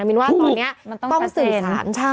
อันนี้ต้องสื่อสาร